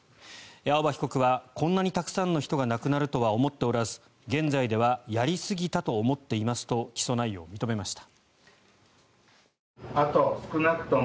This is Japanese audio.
青葉被告はこんなにたくさんの人が亡くなるとは思っておらず、現在ではやりすぎたと思っていますと起訴内容を認めました。